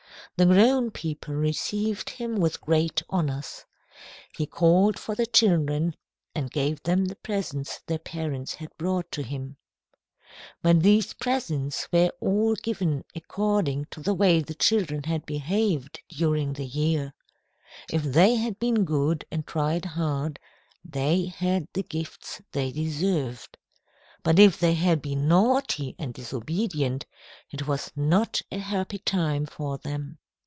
The grown people received him with great honours. He called for the children and gave them the presents their parents had brought to him. "But these presents were all given according to the way the children had behaved during the year. If they had been good and tried hard, they had the gifts they deserved. But if they had been naughty and disobedient, it was not a happy time for them."